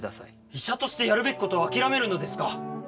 医者としてやるべきことを諦めるのですか？